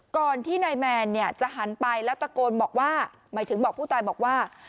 ก่อนที่นายแมนเนี่ยจะหันไปแล้วตะโกนบอกว่าหมายถึงบอกผู้ตายบอกว่า